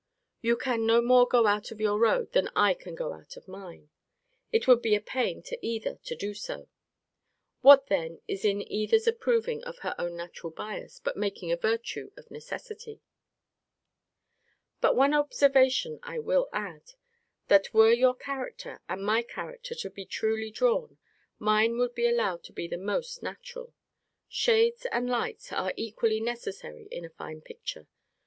You can no more go out of your road, than I can go out of mine. It would be a pain to either to do so: What then is it in either's approving of her own natural bias, but making a virtue of necessity? But one observation I will add, that were your character, and my character, to be truly drawn, mine would be allowed to be the most natural. Shades and lights are equally necessary in a fine picture.